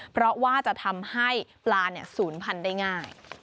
เพราะว่าจะทำให้ปลาศูนย์พันธุ์ได้ง่าย